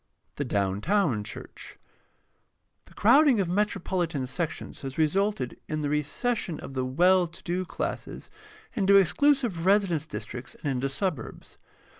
The downtown church. — The crowding of metropolitan sections has resulted in the recession of the well to do classes into exclusive residence districts and into suburbs.